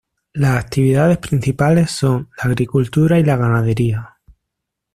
Las actividades principales son la agricultura y la ganadería.